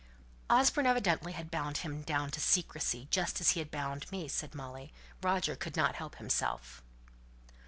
"Osborne evidently had bound him down to secrecy, just as he bound me," said Molly; "Roger could not help himself."